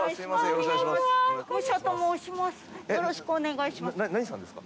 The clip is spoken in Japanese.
よろしくお願いします。